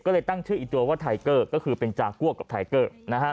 ก็เลยตั้งชื่ออีกตัวว่าไทเกอร์ก็คือเป็นจากัวกับไทเกอร์